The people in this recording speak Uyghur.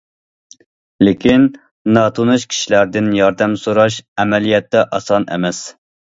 لېكىن، ناتونۇش كىشىلەردىن ياردەم سوراش ئەمەلىيەتتە ئاسان ئەمەس.